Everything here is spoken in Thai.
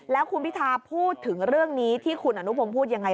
แล้วคุณพิธาพูดถึงเรื่องนี้ที่คุณอนุพงศ์พูดยังไง